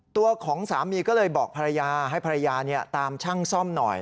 ตัวของสามีก็เลยบอกภรรยาให้ภรรยาตามช่างซ่อมหน่อย